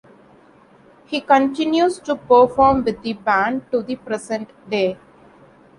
He continues to perform with the band to the present day.